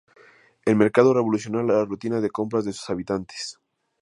El mercado revolucionó la rutina de compras de sus habitantes.